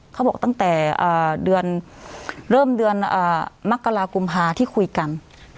เขาบอกตั้งแต่เดือนเริ่มเดือนมกรากุมภาที่คุยกัน